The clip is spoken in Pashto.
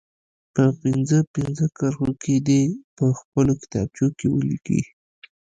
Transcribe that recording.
په پنځه پنځه کرښو کې دې په خپلو کتابچو کې ولیکي.